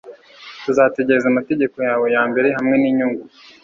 Tuzategereza amategeko yawe yambere hamwe ninyungu